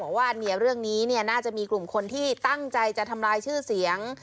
ว่าเรื่องนี้น่าจะมีกลุ่มคนที่ตั้งใจจะทำลายชื่อเสียง